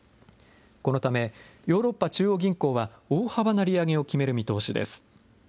このためヨーロッパ中央銀行は、大幅な利上げを決める見通しです。